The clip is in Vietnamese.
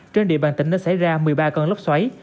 trên địa bàn tỉnh nó xảy ra một mươi ba con lốc xoáy